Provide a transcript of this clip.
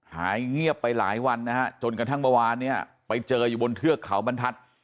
หายเงียบไปหลายวันนะฮะจนกระทั่งเมื่อวานเนี่ยไปเจออยู่บนเทือกเขาบรรทัศน์